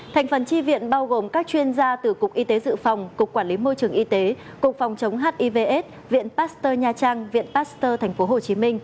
thành phần chi viện bao gồm các chuyên gia từ cục y tế dự phòng cục quản lý môi trường y tế cục phòng chống hivs viện pasteur nha trang viện pasteur tp hcm